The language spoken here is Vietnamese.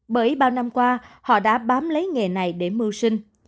bởi bao năm qua họ đã bám lấy nghề này để mưu sinh